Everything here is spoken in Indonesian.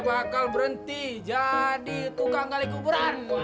gue bakal berhenti jadi tukang gali kuburan